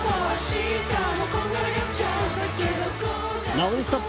「ノンストップ！」